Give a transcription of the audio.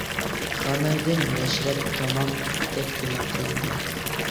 كانايدىن «مەشرەپ تامام» دەپ ئېلان قىلىندى.